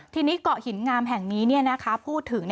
ทีนี้เกาะหินงามแห่งนี้พูดถึง